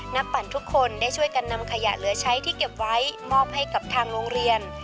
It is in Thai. ปั่นทุกคนได้ช่วยกันนำขยะเหลือใช้ที่เก็บไว้มอบให้กับทางโรงเรียน